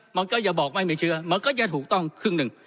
มันก็อย่าบอกไม่มีเชื้อมันก็จะถูกต้องครึ่งหนึ่ง